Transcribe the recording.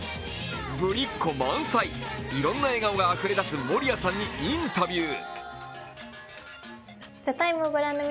ぶりっこ満載、いろんな笑顔があふれ出す守屋さんにインタビュー。